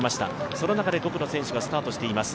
その中で５区の選手がスタートしています。